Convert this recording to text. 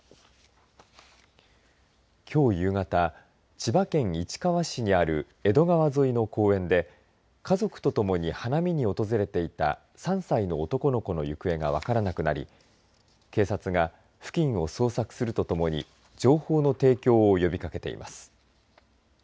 きょう夕方千葉県市川市にある江戸川沿いの公園で家族と共に花見に訪れていた３歳の男の子の行方が分からなくなり警察が付近を捜索するとともに情報の提供を呼びかけています。